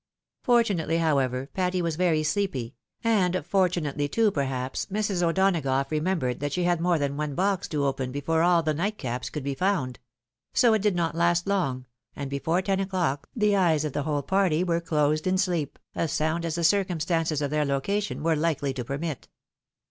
Fortunately, however, Patty was very sleepy ; and fortu nately too, perhaps, Mrs. O'Donagough remembered that she had more than one box to open before all the nightcaps could be found ; so it did not last long, and before ten o'clock the eyes of the whole party were closed in sleep, as sound as the circum stances of their location were hkely to permit.